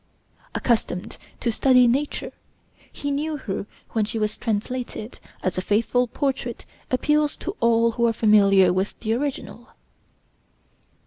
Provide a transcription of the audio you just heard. Accustomed to study nature, he knew her when she was translated, as a faithful portrait appeals to all who are familiar with the original.